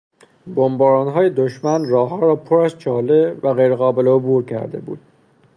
بمبارانهای دشمن راهها را پر از چاله و غیرقابل عبور کرده بود.